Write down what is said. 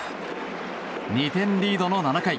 ２点リードの７回。